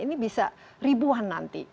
ini bisa ribuan nanti